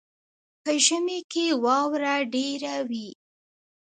په ژمي کې واوره ډیره وي.